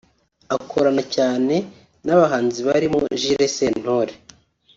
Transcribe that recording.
Akorana cyane n’abahanzi barimo Jules Sentore